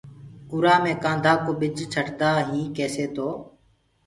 اُرآ مي ڪآڌآ ڪو ٻج ڇٽدآ هين ڪيسي تو